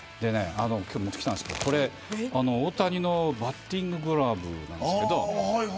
今日持って来たんですけれど大谷のバッティンググラブです。